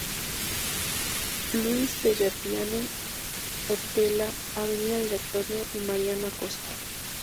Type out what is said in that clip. Luis Dellepiane, Portela, Avenida Directorio y Mariano Acosta.